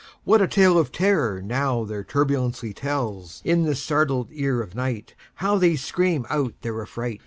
What a tale of terror, now, their turbulency tells! In the startled ear of nightHow they scream out their affright!